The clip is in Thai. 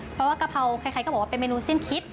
เพราะว่ากะเพราใครก็บอกว่าเป็นเมนูสิ้นคิด